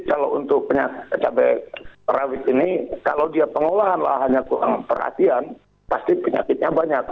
kalau untuk cabai rawit ini kalau dia pengolahan lahannya kurang perhatian pasti penyakitnya banyak